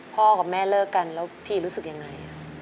พ่อกับแม่เลิกกันแล้วพี่รู้สึกยังไง